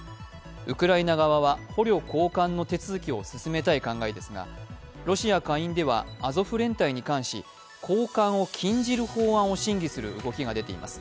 ウクライナ側は、捕虜交換の手続きを進めたい考えですがロシア下院ではアゾフ連隊に対し交換を禁じる法案を審議する動きが出ています。